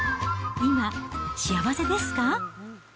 今、幸せですか？